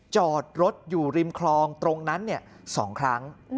จอดรถอยู่ริมคลองตรงนั้น๒ครั้ง